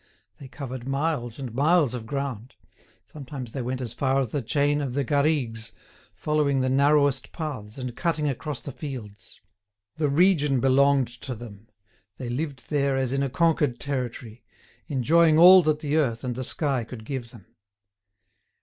They covered miles and miles of ground; sometimes they went as far as the chain of the Garrigues, following the narrowest paths and cutting across the fields. The region belonged to them; they lived there as in a conquered territory, enjoying all that the earth and the sky could give them.